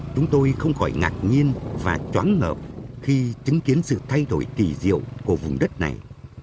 chúng tôi không khỏi ngạc nhiên và chóng ngợp khi chứng kiến sự thay đổi kỳ diệu của vùng đất này